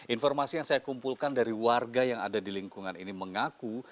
informasi yang saya kumpulkan dari warga yang ada di lingkungan ini mengaku